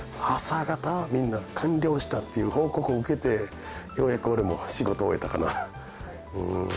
朝方みんな完了したっていう報告を受けてようやく俺も仕事終えたかな。